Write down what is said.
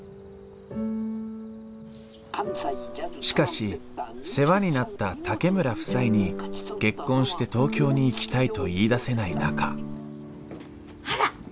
しかし世話になった竹村夫妻に結婚して東京に行きたいと言い出せない中あらっ！